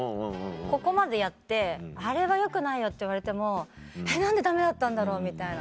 ここまでやって「あれはよくないよ」って言われてもえっ何でダメだったんだろう？みたいな。